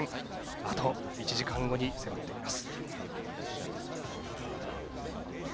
あと１時間後に迫っています。